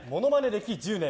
歴１０年。